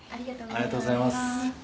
ありがとうございます。